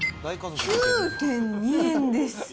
９．２円です。